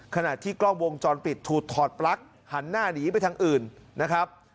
ขณะที่กล้องวงจรปิดถูกถอดปลั๊กหันหน้าหนีไปทางอื่นนะครับ